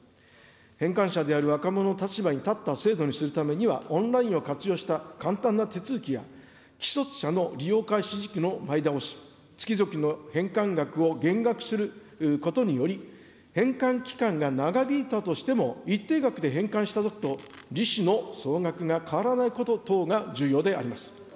返還者である若者の立場に立った制度にするためには、オンラインを活用した簡単な手続きや、既卒者の利用開始時期の前倒し、月々の返還額を減額することにより、返還期間が長引いたとしても、一定額で返還したときと利子の総額が変わらないこと等が重要であります。